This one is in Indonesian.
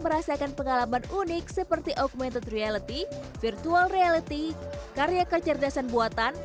merasakan pengalaman unik seperti augmented reality virtual reality karya kecerdasan buatan